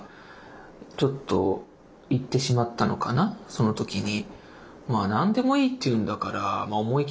その時に。